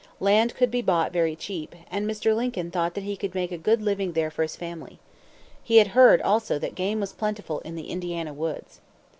Land could be bought very cheap, and Mr. Lincoln thought that he could make a good living there for his family. He had heard also that game was plentiful in the Indiana woods.